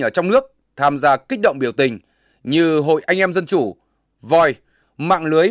ở trong nước tham gia kích động biểu tình như hội anh em dân chủ voi mạng lưới